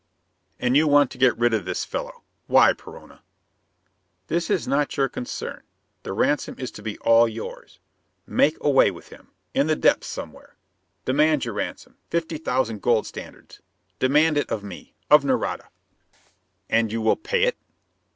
"And you want to get rid of this fellow? Why, Perona?" "That is not your concern. The ransom is to be all yours. Make away with him in the depths somewhere. Demand your ransom. Fifty thousand gold standards! Demand it of me. Of Nareda!" "And you will pay it?"